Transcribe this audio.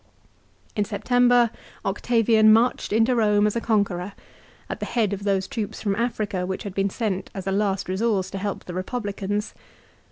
In September Octavian marched into Eome as a con queror, at the head of those troops from Africa which had been sent as a last resource to help the Republicans.